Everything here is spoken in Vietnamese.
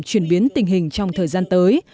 chuyển biến tình hình trong thời gian tới